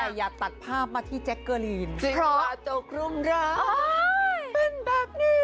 แต่อย่าตัดภาพมาที่แจ็คเกอร์ลีนจริงเพราะตกรุงร้ายเป็นแบบนี้